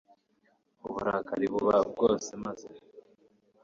uburakari buba bwose maze